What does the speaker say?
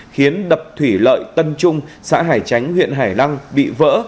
khiến đập thủy lợi tân trung xã hải chánh huyện hải lăng bị vỡ